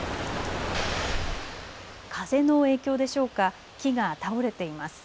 風の影響でしょうか、木が倒れています。